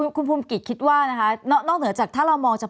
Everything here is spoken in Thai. ต่อให้รัฐบาลเปิดเอาอย่างงี้สมมติว่ารัฐบาลเปิดพวกนี้เลย